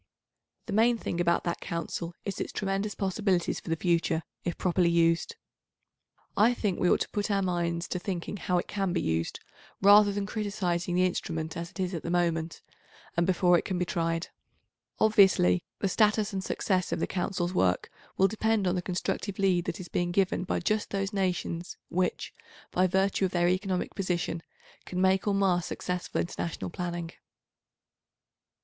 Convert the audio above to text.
The main thing about that Council is its tremendous possibilities for the future if properly used. I think we ought to put our minds to thinking how it can be used, rather than criticising the instrument as it is at the moment, and before it can be tried. Obviously, the status and success of the Council's work will depend on the constructive lead that is being given by just those nations which, by virtue of their economic position, can make or mar successful international planning.